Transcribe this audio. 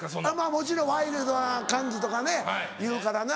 もちろんワイルドな感じとかねいうからな。